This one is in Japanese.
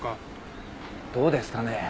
どうですかね？